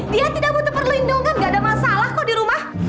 dia tidak butuh perlindungan nggak ada masalah kok di rumah